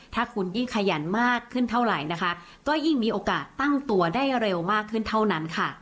ถ้าคุณยิ่งขยันมากขึ้นเท่าไหร่นะคะก็ยิ่งมีโอกาสตั้งตัวได้เร็วมากขึ้นเท่านั้นค่ะ